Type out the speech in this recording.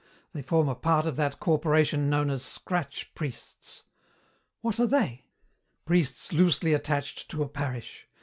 They form a part of that corporation known as 'scratch priests.'" "What are they?" "Priests loosely attached to a parish.